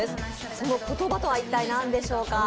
その言葉とは一体何でしょうか。